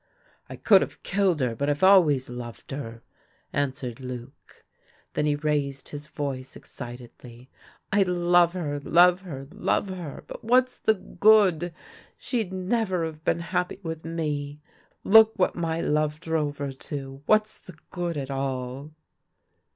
" I could have killed her, but I've always loved her," answered Luc. Then he raised his voice ex citedly. " I love her, love her, love her — but what's the good 1 She'd never 've been happy with me. Look what my love drove her to! What's the good, at all